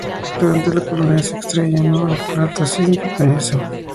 Durante la colonia, se extraían oro, plata, zinc y manganeso.